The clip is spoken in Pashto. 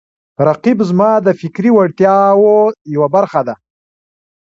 رقیب زما د فکري وړتیاو یوه برخه ده